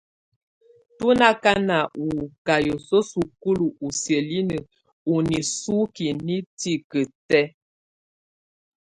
Tú nà kana ú ká yǝsuǝ́ sokolo u siǝ́linǝ ù nisukiǝ̀ ni tikǝ tɛ̀á.